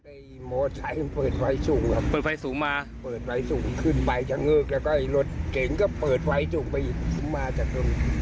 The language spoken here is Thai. มอไซค์เปิดไฟสูงครับเปิดไฟสูงมาเปิดไฟสูงขึ้นไปชะเงิกแล้วก็รถเก๋งก็เปิดไฟสูงไปอีกมาจากตรง